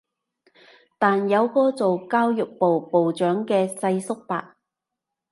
但有個做教育部部長嘅世叔伯